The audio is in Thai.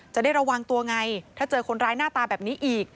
จะได้ระวังตัวไงถ้าเจอคนร้ายหน้าตาแบบนี้อีก